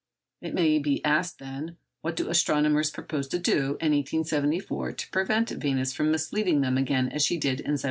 It may be asked, then, What do astronomers propose to do in 1874 to prevent Venus from misleading them again as she did in 1769?